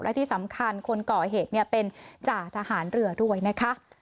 และที่สำคัญคนก่อเหตุเป็นจ่าทหารเรือด้วยนะคะ